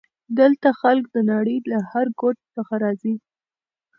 دلته خلک د نړۍ له هر ګوټ نه راځي.